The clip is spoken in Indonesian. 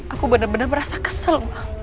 aku benar benar merasa kesel